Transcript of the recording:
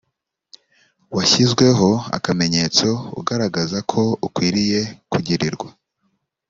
washyizeho akamenyetso ukagaragaza ko ukwiriye kugirirwa